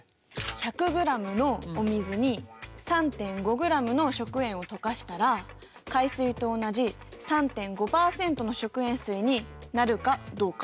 １００ｇのお水に３．５ｇの食塩を溶かしたら海水と同じ３．５％の食塩水になるかどうか。